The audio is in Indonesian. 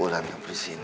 ulan gak boleh sini